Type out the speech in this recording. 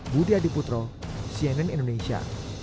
budi adiputro cnn indonesia